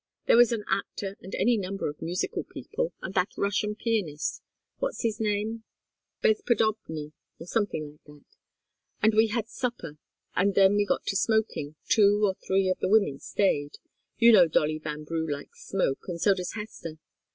There was an actor and any number of musical people, and that Russian pianist what's his name? Bezpodobny, or something like that. And we had supper, and then we got to smoking two or three of the women stayed. You know Dolly Vanbrugh likes smoke, and so does Hester.